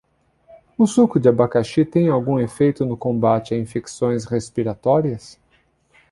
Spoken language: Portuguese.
O suco de abacaxi tem algum efeito no combate a infecções respiratórias?